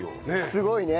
すごいね。